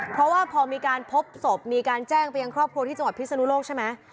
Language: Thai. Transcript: เพราะว่าพอมีการพบศพมีการแจ้งไปยังครอบครัวที่จังหวัดพิศนุโลกใช่ไหม